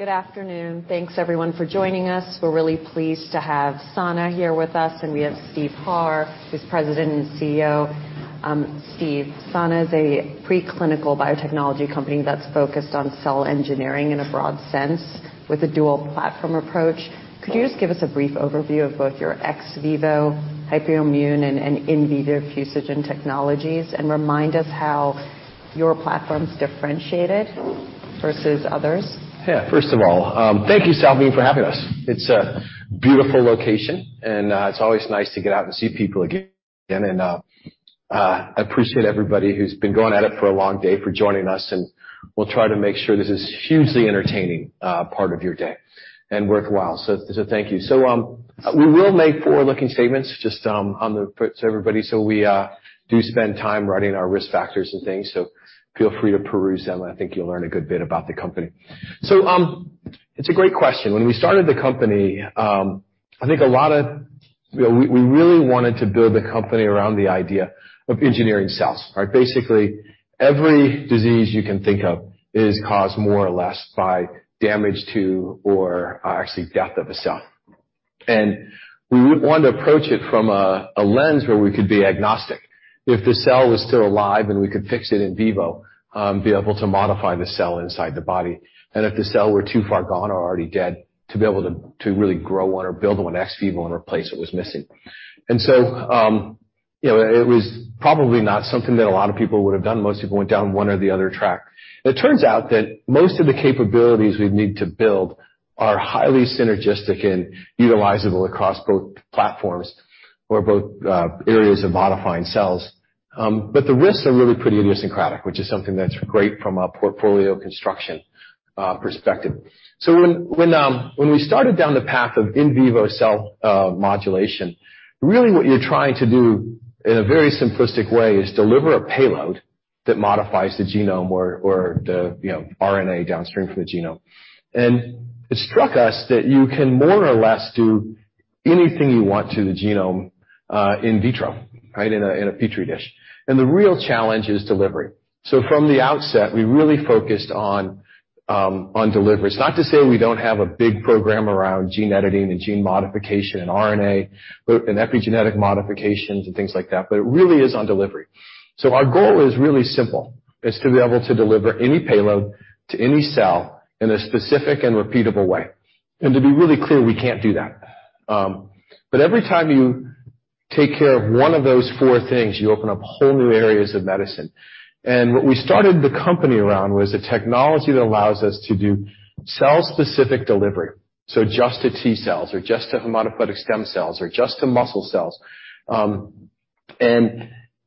Good afternoon. Thanks everyone for joining us. We're really pleased to have Sana here with us, and we have Steve Harr, who's President and CEO. Steve, Sana is a preclinical biotechnology company that's focused on cell engineering in a broad sense with a dual platform approach. Could you just give us a brief overview of both your ex vivo Hypoimmune and in vivo Fusogen technologies and remind us how your platform's differentiated versus others? Yeah. First of all, thank you, Salveen, for having us. It's a beautiful location, and it's always nice to get out and see people again, and I appreciate everybody who's been going at it for a long day for joining us, and we'll try to make sure this is hugely entertaining part of your day and worthwhile. Thank you. We will make forward-looking statements just on the call to everybody. We do spend time running our risk factors and things, so feel free to peruse them. I think you'll learn a good bit about the company. It's a great question. When we started the company, I think a lot of you know, we really wanted to build the company around the idea of engineering cells, right? Basically, every disease you can think of is caused more or less by damage to or, actually death of a cell. We would want to approach it from a lens where we could be agnostic. If the cell was still alive, then we could fix it in vivo, be able to modify the cell inside the body. If the cell were too far gone or already dead, to be able to really grow one or build one ex vivo and replace what was missing. You know, it was probably not something that a lot of people would have done. Most people went down one or the other track. It turns out that most of the capabilities we'd need to build are highly synergistic and utilizable across both platforms or areas of modifying cells. The risks are really pretty idiosyncratic, which is something that's great from a portfolio construction perspective. When we started down the path of in vivo cell modulation, really what you're trying to do in a very simplistic way is deliver a payload that modifies the genome or the, you know, RNA downstream from the genome. It struck us that you can more or less do anything you want to the genome in vitro, right? In a petri dish. The real challenge is delivery. From the outset, we really focused on delivery. It's not to say we don't have a big program around gene editing and gene modification and RNA, but in epigenetic modifications and things like that, but it really is on delivery. Our goal is really simple, is to be able to deliver any payload to any cell in a specific and repeatable way. To be really clear, we can't do that. But every time you take care of one of those four things, you open up whole new areas of medicine. What we started the company around was a technology that allows us to do cell-specific delivery. Just to T cells or just to hematopoietic stem cells or just to muscle cells.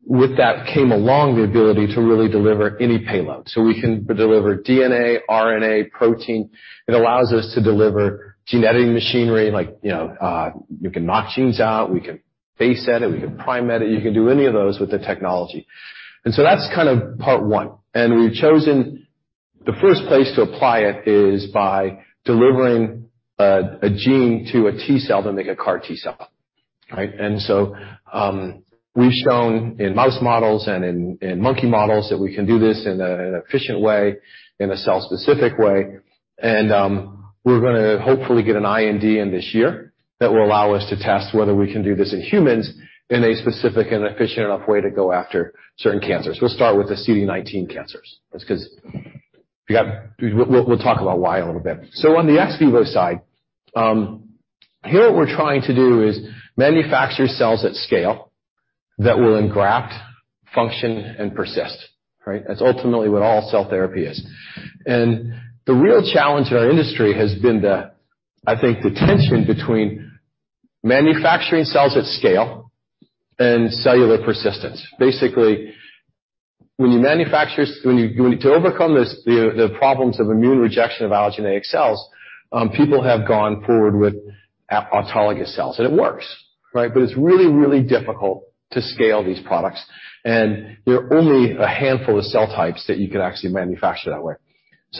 With that came along the ability to really deliver any payload. We can deliver DNA, RNA, protein. It allows us to deliver gene editing machinery like, you know, you can knock genes out, we can base edit, we can prime edit, you can do any of those with the technology. That's kind of part one. We've chosen the first place to apply it is by delivering a gene to a T cell to make a CAR T-cell, right? We've shown in mouse models and in monkey models that we can do this in an efficient way, in a cell-specific way, and we're gonna hopefully get an IND in this year that will allow us to test whether we can do this in humans in a specific and efficient enough way to go after certain cancers. We'll start with the CD19 cancers just 'cause we'll talk about why in a little bit. On the ex vivo side, here what we're trying to do is manufacture cells at scale that will engraft, function, and persist, right? That's ultimately what all cell therapy is. The real challenge in our industry has been the, I think, the tension between manufacturing cells at scale and cellular persistence. Basically, to overcome the problems of immune rejection of allogeneic cells, people have gone forward with autologous cells. It works, right? But it's really, really difficult to scale these products, and there are only a handful of cell types that you can actually manufacture that way.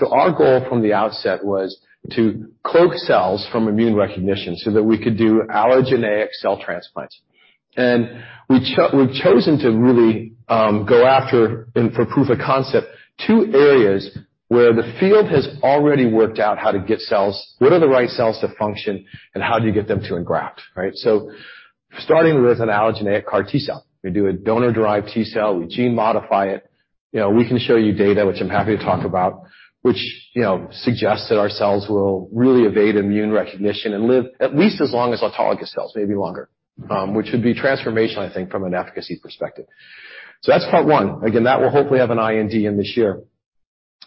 Our goal from the outset was to cloak cells from immune recognition so that we could do allogeneic cell transplants. We've chosen to really go after and for proof of concept, two areas where the field has already worked out how to get cells, what are the right cells to function, and how do you get them to engraft, right? Starting with an allogeneic CAR T-cell, we do a donor-derived T-cell, we gene modify it. You know, we can show you data, which I'm happy to talk about, which, you know, suggests that our cells will really evade immune recognition and live at least as long as autologous cells, maybe longer, which would be transformational, I think, from an efficacy perspective. That's part one. Again, that will hopefully have an IND in this year.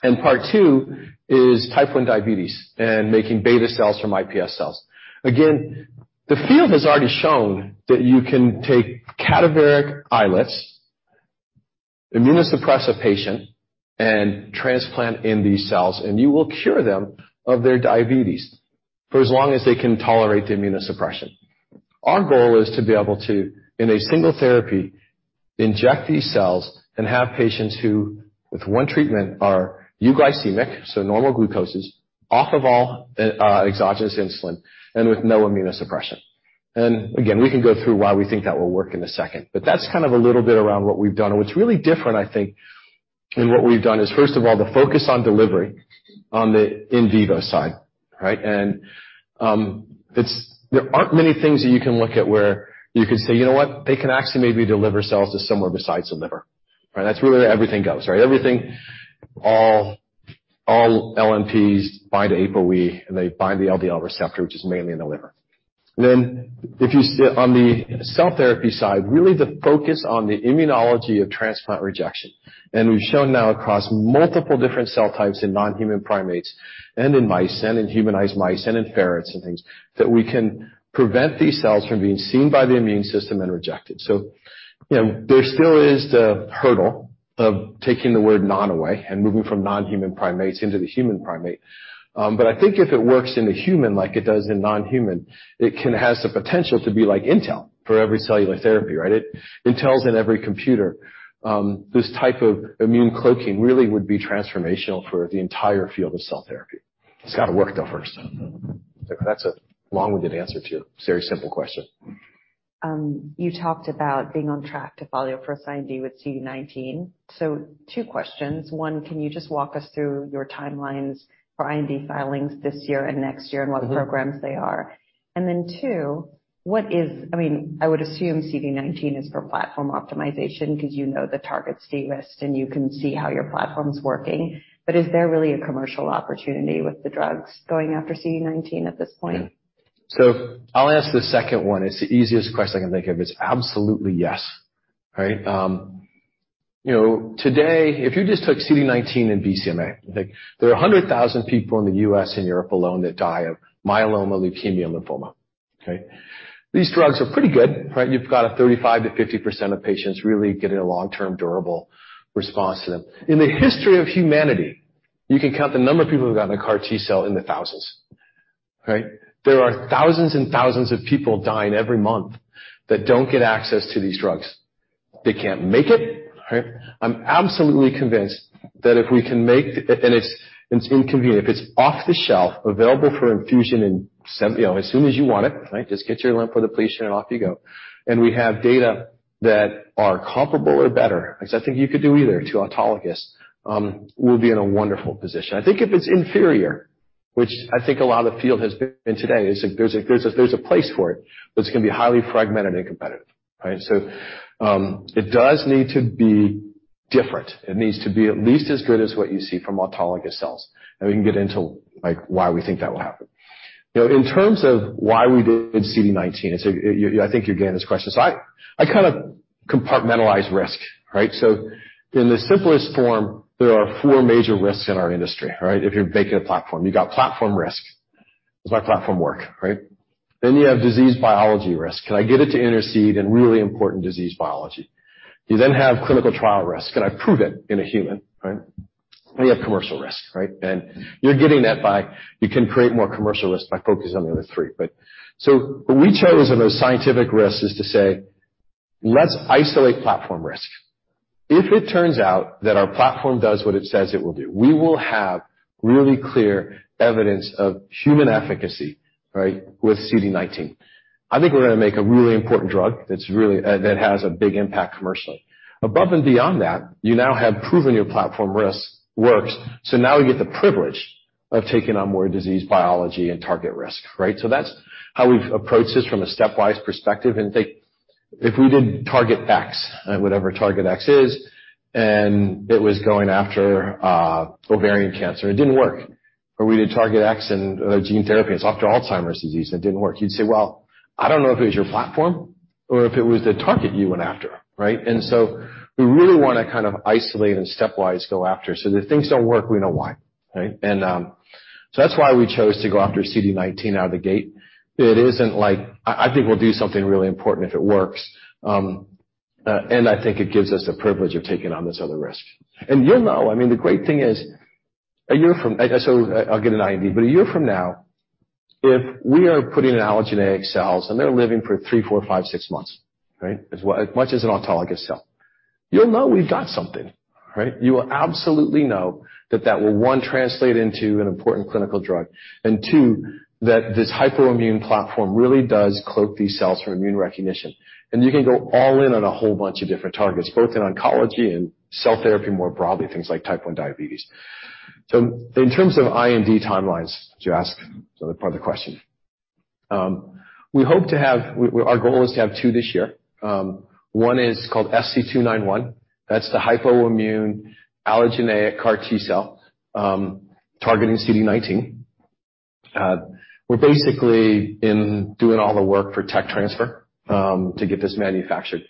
Part two is type 1 diabetes and making beta cells from iPS cells. Again, the field has already shown that you can take cadaveric islets, immunosuppress a patient, and transplant in these cells, and you will cure them of their diabetes for as long as they can tolerate the immunosuppression. Our goal is to be able to, in a single therapy, inject these cells and have patients who, with one treatment are euglycemic, so normal glucoses, off of all exogenous insulin, and with no immunosuppression. Again, we can go through why we think that will work in a second. That's kind of a little bit around what we've done. What's really different, I think, in what we've done is, first of all, the focus on delivery on the in vivo side, right? It's there aren't many things that you can look at where you can say, "You know what? They can actually maybe deliver cells to somewhere besides the liver." Right? That's really where everything goes, right? Everything, all LNPs bind to ApoE, and they bind the LDL receptor, which is mainly in the liver. If you stay on the cell therapy side, really the focus on the immunology of transplant rejection, and we've shown now across multiple different cell types in non-human primates and in mice, and in humanized mice and in ferrets and things, that we can prevent these cells from being seen by the immune system and rejected. You know, there still is the hurdle of taking the word non away and moving from non-human primates into the human primate. But I think if it works in the human like it does in non-human, it can has the potential to be like Intel for every cellular therapy, right? Intel's in every computer. This type of immune cloaking really would be transformational for the entire field of cell therapy. It's gotta work though first. That's a long-winded answer to a very simple question. You talked about being on track to file your first IND with CD19. Two questions. One, can you just walk us through your timelines for IND filings this year and next year? What programs they are? Two, I mean, I would assume CD19 is for platform optimization because you know the target CD list, and you can see how your platform's working. Is there really a commercial opportunity with the drugs going after CD19 at this point? I'll answer the second one. It's the easiest question I can think of. It's absolutely yes, right? You know, today, if you just took CD19 and BCMA, I think there are 100,000 people in the U.S. and Europe alone that die of myeloma, leukemia, and lymphoma, okay? These drugs are pretty good, right? You've got a 35%-50% of patients really getting a long-term durable response to them. In the history of humanity, you can count the number of people who've gotten a CAR T-cell in the thousands, right? There are thousands and thousands of people dying every month that don't get access to these drugs. They can't make it, right? I'm absolutely convinced that if we can make. It's inconvenient if it's off-the-shelf available for infusion, you know, as soon as you want it, right? Just get your lymphodepletion and off you go. We have data that are comparable or better 'cause I think you could do either to autologous, we'll be in a wonderful position. I think if it's inferior, which I think a lot of the field has been today, is there's a place for it, but it's gonna be highly fragmented and competitive, right? It does need to be different. It needs to be at least as good as what you see from autologous cells. We can get into, like, why we think that will happen. You know, in terms of why we did CD19, Yeah, I think you're getting this question. I kind of compartmentalize risk, right? In the simplest form, there are four major risks in our industry, right? If you're making a platform. You got platform risk. Does my platform work, right? You have disease biology risk. Can I get it to intercede in really important disease biology? You have clinical trial risk. Can I prove it in a human, right? You have commercial risk, right? You're getting that by, you can create more commercial risk by focusing on the other three, but. What we chose of those scientific risks is to say, let's isolate platform risk. If it turns out that our platform does what it says it will do, we will have really clear evidence of human efficacy, right, with CD19. I think we're gonna make a really important drug that's really that has a big impact commercially. Above and beyond that, you now have proven your platform risk works, so now we get the privilege of taking on more disease biology and target risk, right? That's how we've approached this from a stepwise perspective. If we did Target X, whatever Target X is, and it was going after ovarian cancer and it didn't work. We did Target X and a gene therapy, it's after Alzheimer's disease, and it didn't work. You'd say, "Well, I don't know if it was your platform or if it was the target you went after," right? We really wanna kind of isolate and stepwise go after. If things don't work, we know why, right? That's why we chose to go after CD19 out of the gate. It isn't like I think we'll do something really important if it works. I think it gives us the privilege of taking on this other risk. You'll know, I mean, the great thing is, a year from now, if we are putting allogeneic cells and they're living for three, four, five, six months, right? As much as an autologous cell. You'll know we've got something, right? You will absolutely know that that will, one, translate into an important clinical drug, and two, that this hypoimmune platform really does cloak these cells from immune recognition. You can go all in on a whole bunch of different targets, both in oncology and cell therapy more broadly, things like type 1 diabetes. In terms of IND timelines, to ask the other part of the question, we hope to have. Our goal is to have two this year. One is called SC-291. That's the hypoimmune allogeneic CAR T-cell targeting CD19. We're basically doing all the work for tech transfer to get this manufactured.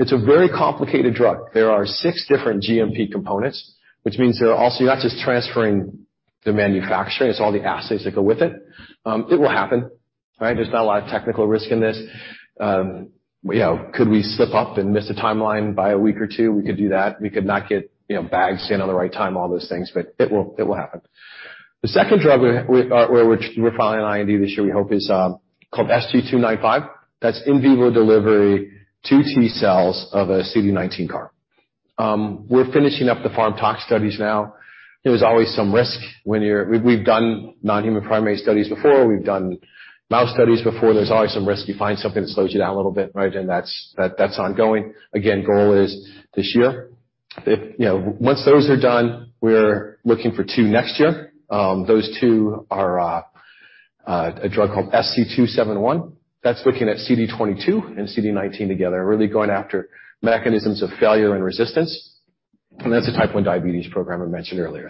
It's a very complicated drug. There are six different GMP components, which means you're not just transferring the manufacturing, it's all the assays that go with it. It will happen, right? There's not a lot of technical risk in this. You know, could we slip up and miss a timeline by a week or two? We could do that. We could not get, you know, bags in on the right time, all those things, but it will happen. The second drug we're filing an IND this year, we hope, is called SG-295. That's in vivo delivery to T-cells of a CD19 CAR. We're finishing up the pharm/tox studies now. There's always some risk. We've done non-human primate studies before, we've done mouse studies before. There's always some risk you find something that slows you down a little bit, right? That's ongoing. Again, goal is this year. You know, once those are done, we're looking for two next year. Those two are a drug called SC-271. That's looking at CD22 and CD19 together, really going after mechanisms of failure and resistance. That's the type 1 diabetes program I mentioned earlier.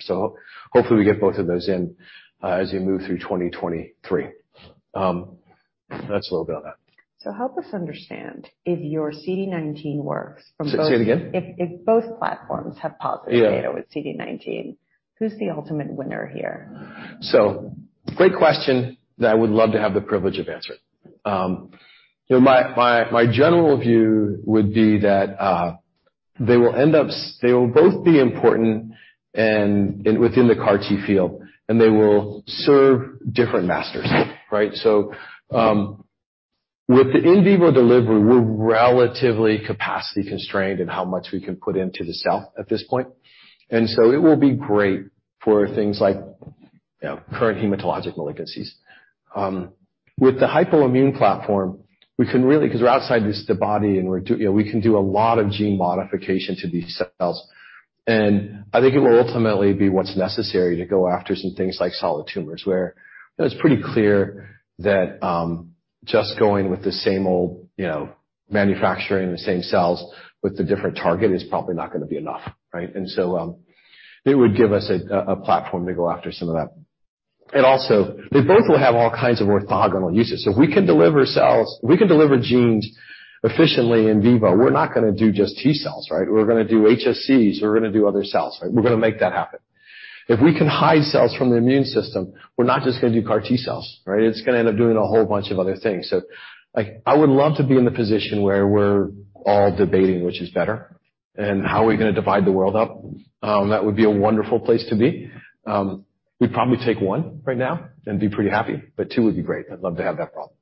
Hopefully we get both of those in as we move through 2023. That's a little about that. Help us understand if your CD19 works from both Say it again. If both platforms have positive data. Yeah. With CD19, who's the ultimate winner here? Great question that I would love to have the privilege of answering. You know, my general view would be that they will both be important and within the CAR-T field, and they will serve different masters, right? With the in vivo delivery, we're relatively capacity constrained in how much we can put into the cell at this point. It will be great for things like, you know, current hematologic malignancies. With the Hypoimmune platform, we can really 'cause we're outside the body and you know, we can do a lot of gene modification to these cells. I think it will ultimately be what's necessary to go after some things like solid tumors, where it's pretty clear that, just going with the same old, you know, manufacturing the same cells with the different target is probably not gonna be enough, right? It would give us a platform to go after some of that. It also. They both will have all kinds of orthogonal uses. If we can deliver cells, if we can deliver genes efficiently in vivo, we're not gonna do just T-cells, right? We're gonna do HSCs, we're gonna do other cells, right? We're gonna make that happen. If we can hide cells from the immune system, we're not just gonna do CAR T-cells, right? It's gonna end up doing a whole bunch of other things. Like, I would love to be in the position where we're all debating which is better and how are we gonna divide the world up. That would be a wonderful place to be. We'd probably take one right now and be pretty happy, but two would be great. I'd love to have that problem.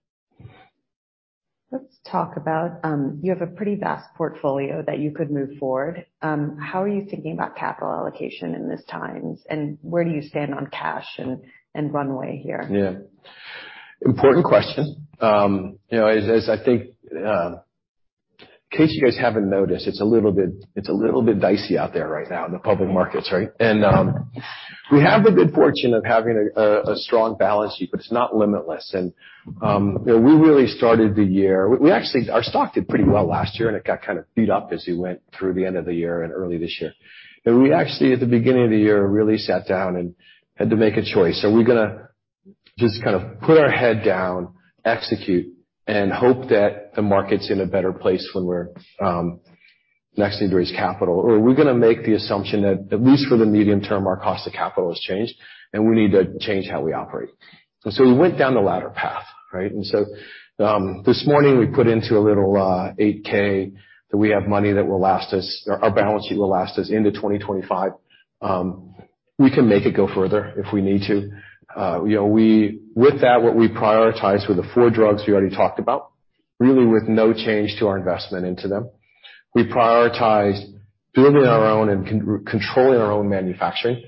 Let's talk about you have a pretty vast portfolio that you could move forward. How are you thinking about capital allocation in these times and where do you stand on cash and runway here? Yeah. Important question. You know, as I think, in case you guys haven't noticed, it's a little bit dicey out there right now in the public markets, right? You know, we really started the year. We actually, our stock did pretty well last year, and it got kind of beat up as we went through the end of the year and early this year. We actually, at the beginning of the year, really sat down and had to make a choice. Are we gonna just kind of put our head down, execute, and hope that the market's in a better place when we're next to raise capital? Are we gonna make the assumption that at least for the medium term, our cost of capital has changed and we need to change how we operate? We went down the latter path, right? This morning we put out a little 8-K that we have money that will last us, our balance sheet will last us into 2025. We can make it go further if we need to. You know, with that, what we prioritize were the four drugs we already talked about, really with no change to our investment into them. We prioritized building our own and controlling our own manufacturing.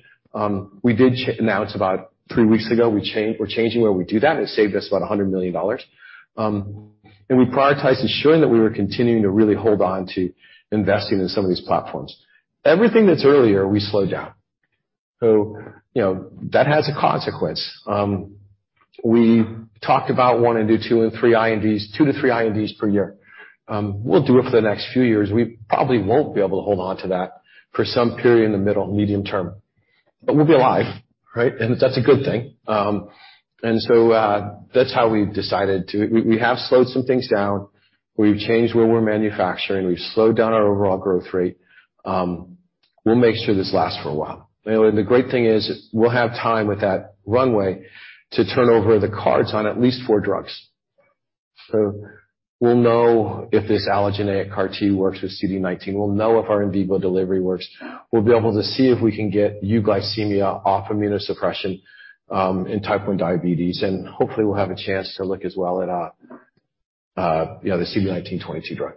We did announce about three weeks ago, we're changing where we do that, and it saved us about $100 million. We prioritized ensuring that we were continuing to really hold on to investing in some of these platforms. Everything that's earlier, we slowed down. You know, that has a consequence. We talked about wanting to do two and three INDs, two to three INDs per year. We'll do it for the next few years. We probably won't be able to hold on to that for some period in the middle, medium term. We'll be alive, right? That's a good thing. That's how we've decided to. We have slowed some things down. We've changed where we're manufacturing. We've slowed down our overall growth rate. We'll make sure this lasts for a while. The great thing is we'll have time with that runway to turn over the CART on at least four drugs. We'll know if this allogeneic CAR T works with CD19. We'll know if our in vivo delivery works. We'll be able to see if we can get euglycemia off immunosuppression in type 1 diabetes, and hopefully we'll have a chance to look as well at, you know, the CD19-22 drug.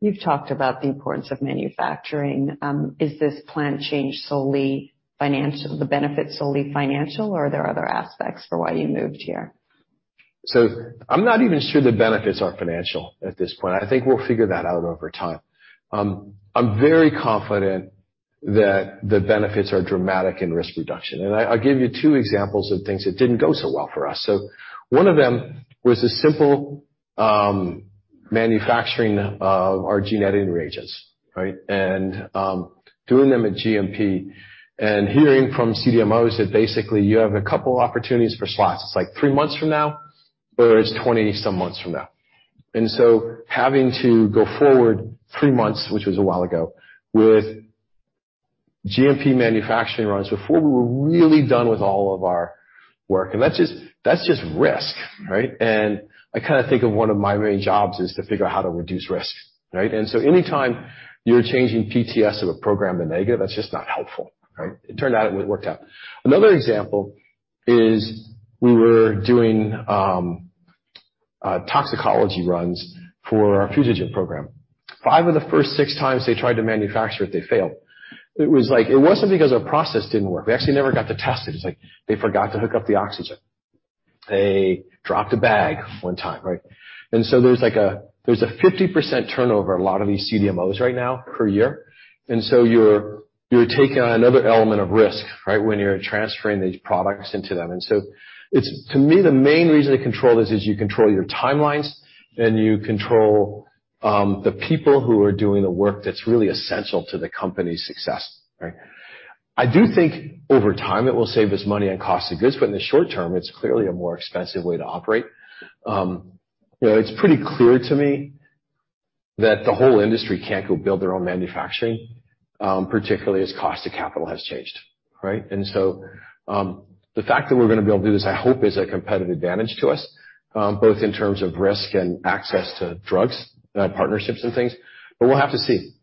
You've talked about the importance of manufacturing. Is this plan change solely financial, the benefit solely financial or are there other aspects for why you moved here? I'm not even sure the benefits are financial at this point. I think we'll figure that out over time. I'm very confident that the benefits are dramatic in risk reduction. I'll give you two examples of things that didn't go so well for us. One of them was the simple manufacturing of our gene editing reagents, right? Doing them at GMP and hearing from CDMOs that basically you have a couple opportunities for slots. It's like three months from now or it's 20-some months from now. Having to go forward three months, which was a while ago, with GMP manufacturing runs before we were really done with all of our work. That's just risk, right? I kinda think one of my main jobs is to figure out how to reduce risk, right? Anytime you're changing PTS of a program to negative, that's just not helpful, right? It turned out it worked out. Another example is we were doing toxicology runs for our Fusogen program. Five of the first six times they tried to manufacture it, they failed. It was like, it wasn't because our process didn't work. We actually never got to test it. It's like they forgot to hook up the oxygen. They dropped a bag one time, right? There's like a, there's a 50% turnover, a lot of these CDMOs right now per year. You're taking on another element of risk, right? When you're transferring these products into them. It's to me, the main reason to control this is you control your timelines, and you control the people who are doing the work that's really essential to the company's success, right? I do think over time it will save us money on cost of goods, but in the short term, it's clearly a more expensive way to operate. It's pretty clear to me that the whole industry can't go build their own manufacturing, particularly as cost of capital has changed, right? The fact that we're gonna be able to do this, I hope is a competitive advantage to us, both in terms of risk and access to drugs, partnerships and things. We'll have to see.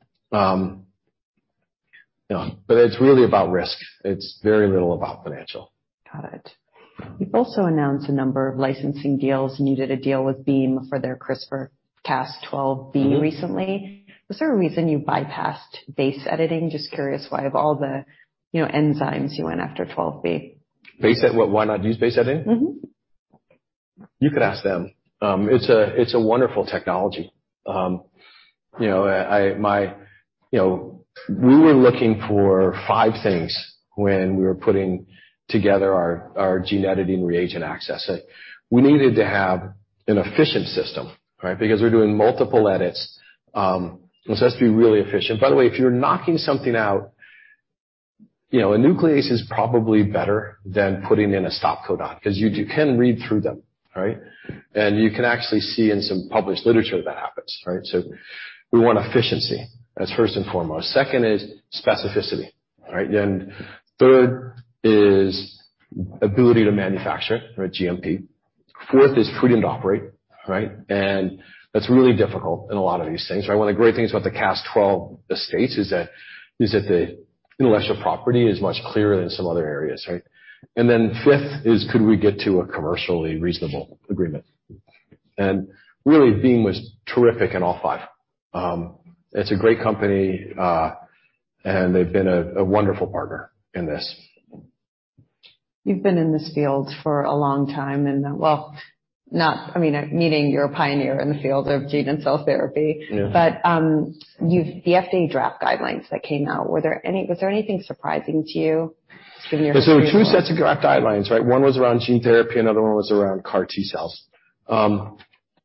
It's really about risk. It's very little about financial. Got it. You've also announced a number of licensing deals, and you did a deal with Beam for their CRISPR-Cas12b recently. Was there a reason you bypassed base editing? Just curious why of all the, you know, enzymes you went after Cas12b. Why not use Base editing? You could ask them. It's a wonderful technology. We were looking for five things when we were putting together our gene editing reagent access. We needed to have an efficient system, right? Because we're doing multiple edits, so it has to be really efficient. By the way, if you're knocking something out, a nuclease is probably better than putting in a stop codon 'cause you can read through them, right? You can actually see in some published literature that happens, right? We want efficiency. That's first and foremost. Second is specificity, right? Third is ability to manufacture for a GMP. Fourth is freedom to operate, right? That's really difficult in a lot of these things, right? One of the great things about the Cas12 assets is that the intellectual property is much clearer than some other areas, right? 5th is, could we get to a commercially reasonable agreement? Really, Beam was terrific in all five. It's a great company, and they've been a wonderful partner in this. You've been in this field for a long time. I mean, you're a pioneer in the field of gene and cell therapy. Yeah. The FDA draft guidelines that came out, was there anything surprising to you in your There were two sets of draft guidelines, right? One was around gene therapy, another one was around CAR T-cells.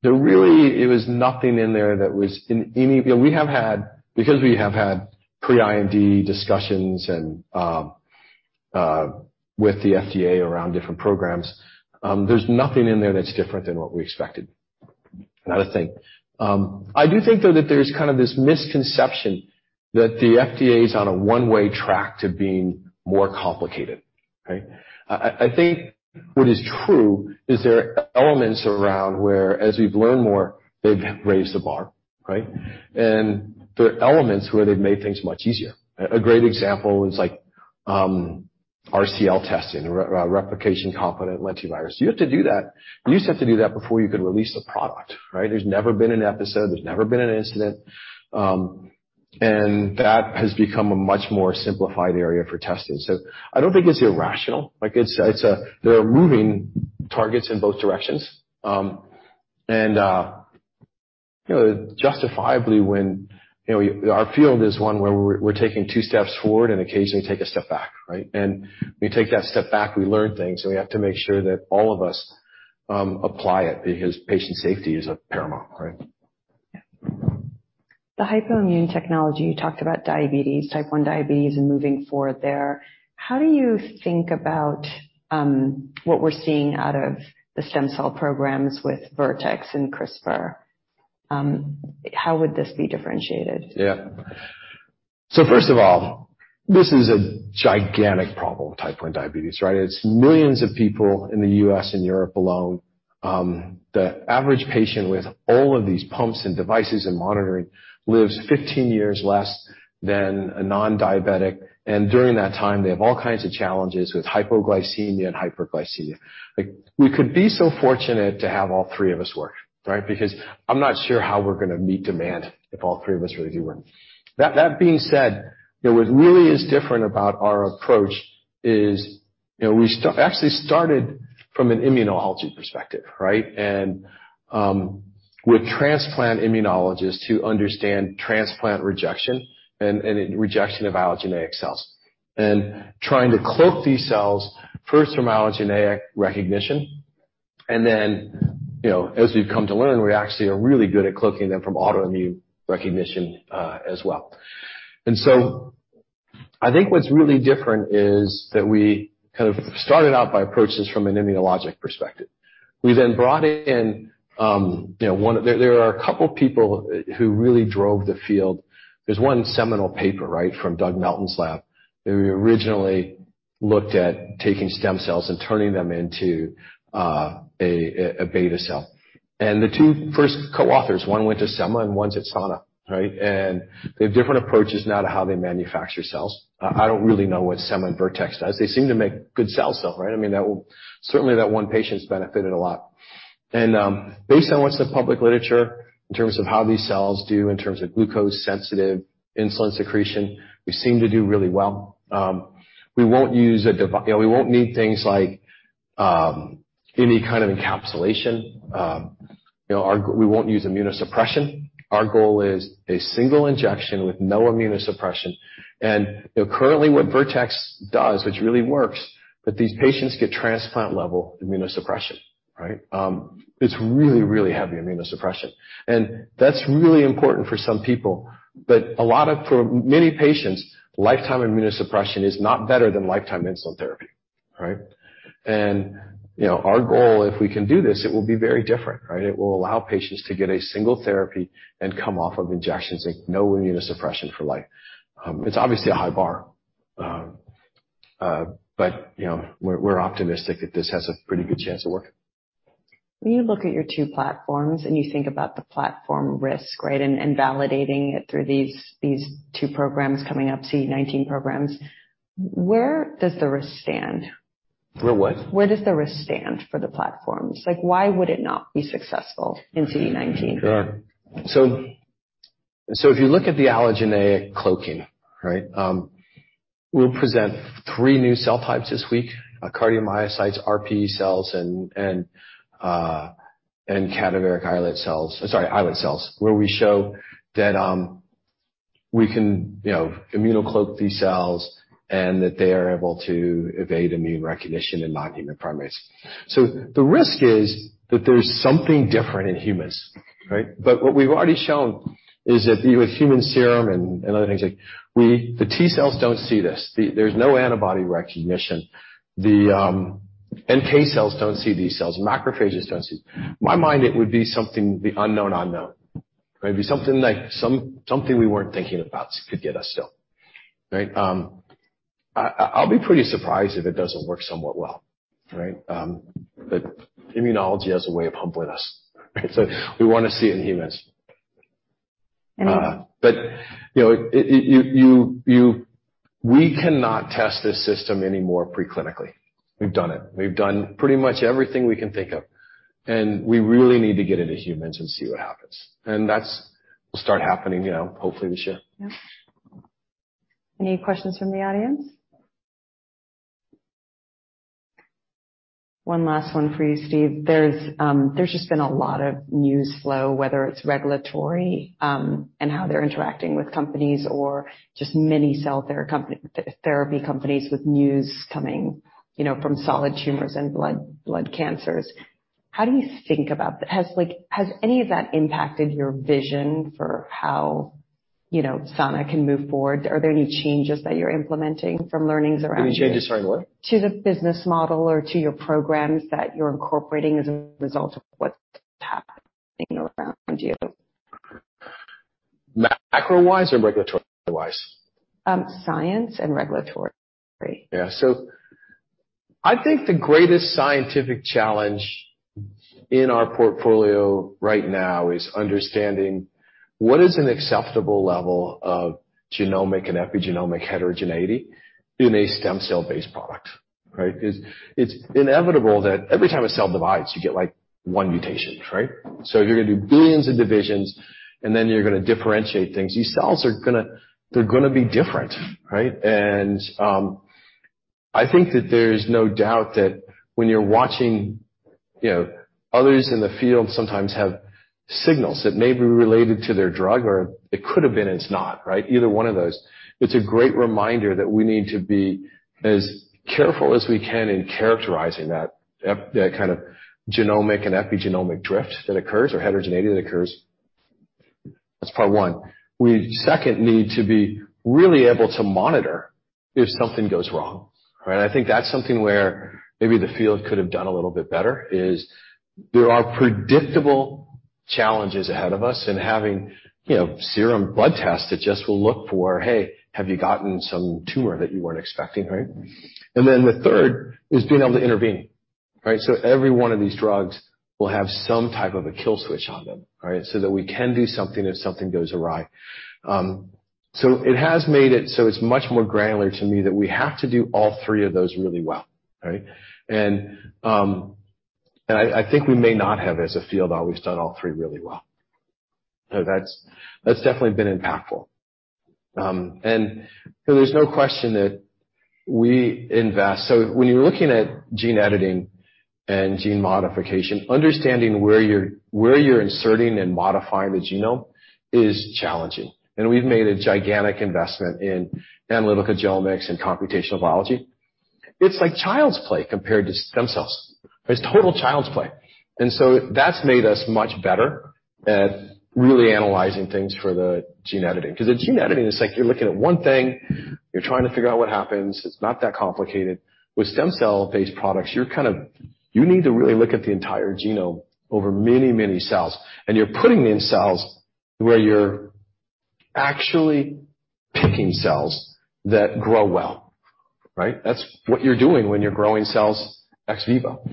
There really was nothing in there that was in any way different. You know, we have had pre-IND discussions with the FDA around different programs. There's nothing in there that's different than what we expected. Not a thing. I do think, though, that there's kind of this misconception that the FDA is on a one-way track to being more complicated, right? I think what is true is there are elements around where as we've learned more, they've raised the bar, right? And there are elements where they've made things much easier. A great example is like RCL testing, replication-competent lentivirus. You have to do that. You used to have to do that before you could release a product, right? There's never been an episode, there's never been an incident. That has become a much more simplified area for testing. I don't think it's irrational. Like it's, they're moving targets in both directions. You know, justifiably when, you know, our field is one where we're taking two steps forward and occasionally take a step back, right? We take that step back, we learn things, and we have to make sure that all of us apply it because patient safety is of paramount, right? Yeah. The Hypoimmune technology, you talked about diabetes, type 1 diabetes and moving forward there. How do you think about what we're seeing out of the stem cell programs with Vertex and CRISPR? How would this be differentiated? Yeah. First of all, this is a gigantic problem with type 1 diabetes, right? It's millions of people in the U.S. and Europe alone. The average patient with all of these pumps and devices and monitoring lives 15 years less than a non-diabetic. During that time, they have all kinds of challenges with hypoglycemia and hyperglycemia. Like, we could be so fortunate to have all three of us work, right? Because I'm not sure how we're gonna meet demand if all three of us really do one. That being said, you know, what really is different about our approach is, you know, we actually started from an immunology perspective, right? With transplant immunologists who understand transplant rejection and rejection of allogeneic cells, and trying to cloak these cells first from allogeneic recognition. You know, as we've come to learn, we actually are really good at cloaking them from autoimmune recognition, as well. I think what's really different is that we kind of started out by approaches from an immunologic perspective. We brought in, you know, there are a couple of people who really drove the field. There's one seminal paper, right, from Doug Melton's lab, who originally looked at taking stem cells and turning them into a beta cell. The two first co-authors, one went to Semma and one's at Sana, right? They have different approaches now to how they manufacture cells. I don't really know what Semma and Vertex does. They seem to make good cells, though, right? I mean, certainly, that one patient has benefited a lot. Based on what's in the public literature in terms of how these cells do in terms of glucose-sensitive insulin secretion, we seem to do really well. We won't use, you know, we won't need things like any kind of encapsulation. You know, we won't use immunosuppression. Our goal is a single injection with no immunosuppression. You know, currently what Vertex does, which really works, but these patients get transplant-level immunosuppression, right? It's really, really heavy immunosuppression. That's really important for some people. For many patients, lifetime immunosuppression is not better than lifetime insulin therapy, right? You know, our goal, if we can do this, it will be very different, right? It will allow patients to get a single therapy and come off of injections and no immunosuppression for life. It's obviously a high bar. You know, we're optimistic that this has a pretty good chance of working. When you look at your two platforms and you think about the platform risk, right? Validating it through these two programs coming up, CD19 programs, where does the risk stand? For what? Where does the risk stand for the platforms? Like, why would it not be successful in CD19? Sure. If you look at the allogeneic cloaking, right? We'll present three new cell types this week, cardiomyocytes, RPE cells and cadaveric islet cells. Sorry, islet cells, where we show that we can, you know, immuno-cloak these cells and that they are able to evade immune recognition in non-human primates. The risk is that there's something different in humans, right? What we've already shown is that with human serum and other things, like the T cells don't see this. There's no antibody recognition. The NK cells don't see these cells. Macrophages don't see. In my mind, it would be something, the unknown unknown. Maybe something like something we weren't thinking about could still get us. Right? I'll be pretty surprised if it doesn't work somewhat well, right? Immunology has a way of humbling us, right? We wanna see it in humans. You know, we cannot test this system anymore preclinically. We've done it. We've done pretty much everything we can think of, and we really need to get it to humans and see what happens. That will start happening, you know, hopefully this year. Yeah. Any questions from the audience? One last one for you, Steve. There's just been a lot of news flow, whether it's regulatory, and how they're interacting with companies or just many cell therapy companies with news coming, you know, from solid tumors and blood cancers. How do you think about that? Has any of that impacted your vision for how, you know, Sana can move forward? Are there any changes that you're implementing from learnings around this? Any changes, sorry, what? To the business model or to your programs that you're incorporating as a result of what's happening around you? Macro-wise or regulatory-wise? Science and regulatory. Yeah. I think the greatest scientific challenge in our portfolio right now is understanding what is an acceptable level of genomic and epigenomic heterogeneity in a stem cell-based product, right? It's inevitable that every time a cell divides, you get like one mutation, right? You're gonna do billions of divisions, and then you're gonna differentiate things. These cells are gonna be different, right? I think that there is no doubt that when you're watching, you know, others in the field sometimes have signals that may be related to their drug or it could have been, and it's not, right? Either one of those. It's a great reminder that we need to be as careful as we can in characterizing that kind of genomic and epigenomic drift that occurs or heterogeneity that occurs. That's part one. we need to be really able to monitor if something goes wrong, right? I think that's something where maybe the field could have done a little bit better, in that there are predictable challenges ahead of us and having, you know, serum blood tests that just will look for, hey, have you gotten some tumor that you weren't expecting, right? The third is being able to intervene, right? Every one of these drugs will have some type of a kill switch on them, right? So that we can do something if something goes awry. It has made it so it's much more granular to me that we have to do all three of those really well, right? I think we may not have as a field always done all three really well. That's definitely been impactful. There's no question that we invest. When you're looking at gene editing and gene modification, understanding where you're inserting and modifying the genome is challenging. We've made a gigantic investment in analytical genomics and computational biology. It's like child's play compared to stem cells. It's total child's play. That's made us much better at really analyzing things for the gene editing. 'Cause the gene editing is like you're looking at one thing, you're trying to figure out what happens. It's not that complicated. With stem cell-based products, you need to really look at the entire genome over many, many cells. You're putting them in cells where you're actually picking cells that grow well, right? That's what you're doing when you're growing cells ex vivo.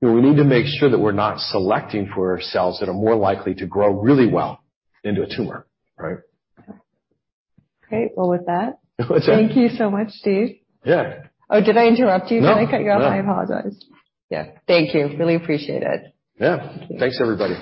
We need to make sure that we're not selecting for cells that are more likely to grow really well into a tumor, right? Great. Well, with that. What's that? Thank you so much, Steve. Yeah. Oh, did I interrupt you? No. Did I cut you off? No. I apologize. Yeah. Thank you. Really appreciate it. Yeah. Thanks, everybody.